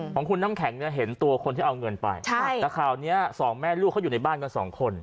ของคุณน้ำแข็งเนี่ยเห็นตัวคนที่เอาเงินไปใช่แต่ข่าวเนี้ยสองแม่ลูกเขาอยู่ในบ้านกันสองคน